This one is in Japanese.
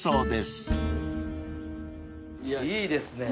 いやいいですね。